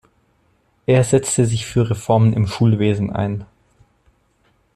Er setzte sich für Reformen im Schulwesen ein.